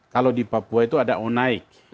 kalau di papua itu ada onaik